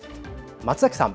松崎さん。